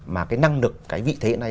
mà cái năng lực cái vị thế hiện nay